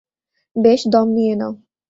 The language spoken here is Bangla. বেশ, দম নিয়ে নাও।